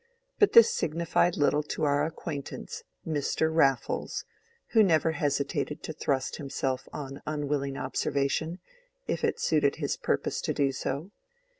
But this signified little to our acquaintance Mr. Raffles, who never hesitated to thrust himself on unwilling observation, if it suited his purpose to do so.